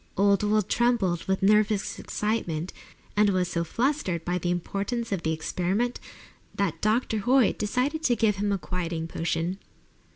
Old Will trembled with nervous excitement, and was so "flustered" by the importance of the experiment that Dr. Hoyt decided to give him a quieting potion.